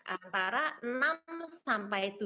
antara rp enam tujuh